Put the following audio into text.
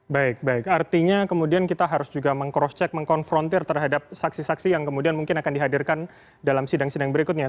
baik baik artinya kemudian kita harus juga meng cross check mengkonfrontir terhadap saksi saksi yang kemudian mungkin akan dihadirkan dalam sidang sidang berikutnya